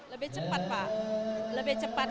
lebih cepat pak lebih cepat